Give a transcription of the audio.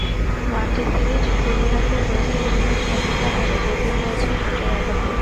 One day series শুরুর আগে West ইন্ডিজের ক্ষতটা আরও গভীর হয়েছে চোটের আঘাতে।